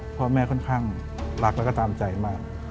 พ่อแม่ค่อนข้างรักแล้วก็ตามใจมาก